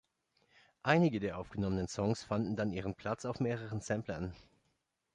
Einige der aufgenommenen Songs fanden dann ihren Platz auf mehreren Samplern.